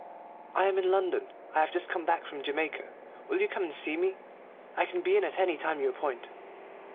"I am in London. I have just come back from Jamaica. Will you come and see me? I can be in at any time you appoint."